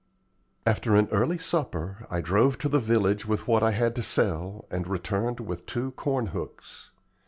After an early supper I drove to the village with what I had to sell, and returned with two corn hooks.